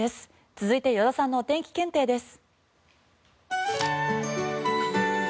続いて依田さんのお天気検定です。